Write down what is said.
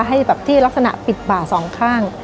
ให้แบบที่ลักษณะปิดบ่าสองข้าง